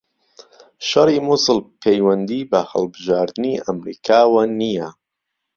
شەڕی موسڵ پەیوەندی بە هەڵبژاردنی ئەمریکاوە نییە